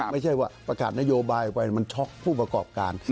ไม่ใช่ว่าประกาศนโยบายไปมันช็อกผู้ประกอบการ